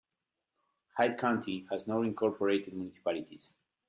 Hyde County has no incorporated municipalities.